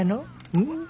うん。